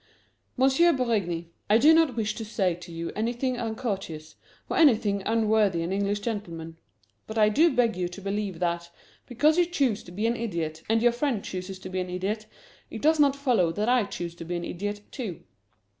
"M. Berigny, I do not wish to say to you anything uncourteous, or anything unworthy an English gentleman; but I do beg you to believe that, because you choose to be an idiot, and your friend chooses to be an idiot, it does not follow that I choose to be an idiot, too."